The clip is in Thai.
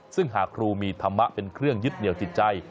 ซึ่งหากครูมีธรรมะเป็นเครื่องยึดเหนียวจิตใจ